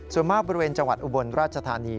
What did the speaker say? ส่วนมากบริเวณจังหวัดอุบลราชธานี